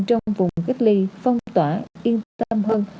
trong vùng cách ly phong tỏa yên tâm hơn